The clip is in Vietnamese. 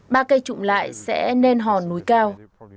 ba cây trụng lại sẽ nên hòn núi cao